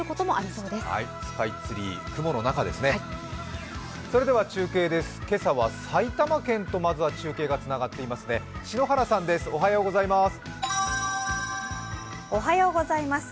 それでは中継です、今朝は埼玉県とまずは中継がつながっています。